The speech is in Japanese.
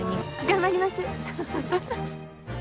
頑張ります。